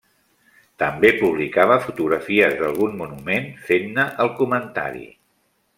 També publicava fotografies d'algun monument fent-ne el comentari.